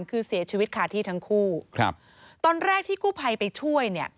ก็คือเสียชีวิตคาที่ทั้งคู่ตอนแรกที่กู้ภัยไปช่วย